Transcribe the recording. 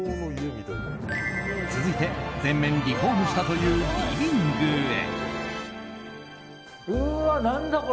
続いて全面リフォームしたというリビングへ。